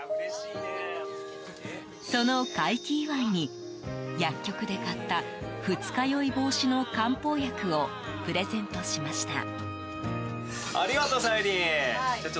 その快気祝いに、薬局で買った二日酔い防止の漢方薬をプレゼントしました。